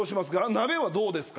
鍋はどうですか？